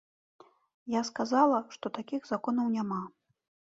Я сказала, што такіх законаў няма.